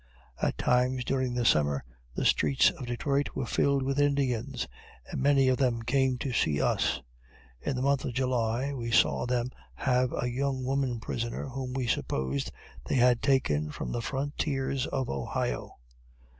At times, during the summer, the streets of Detroit were filled with Indians; and many of them came to see us. In the month of July, we saw them have a young woman prisoner, whom we supposed they had taken from the frontiers of Ohio.